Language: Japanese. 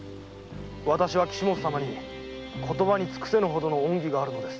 わたしは岸本様に言葉に尽くせぬ恩義があるのです。